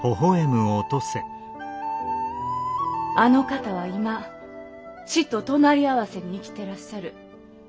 あの方は今死と隣り合わせに生きていらっしゃる。